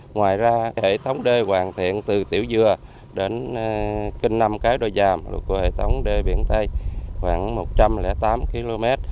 ngoài ra hệ thống đê hoàn thiện từ tiểu dừa đến trên năm cái đôi dàm của hệ thống đê biển tây khoảng một trăm linh tám km